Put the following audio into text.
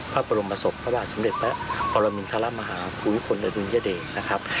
พระบรมประสบพระบาทสมเด็จและปรมินทรมาฮาผู้ยุคลอดุลยเดชนะครับ